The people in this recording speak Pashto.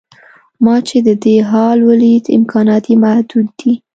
ما چې د ده حال ولید امکانات یې محدود دي.